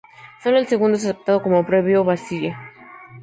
Solo el segundo es aceptado, como previó Bazille..